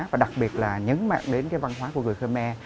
và đặc biệt là nhấn mạnh đến cái văn hóa của người khmer